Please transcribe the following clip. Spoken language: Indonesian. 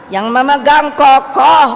yang memegang kokoh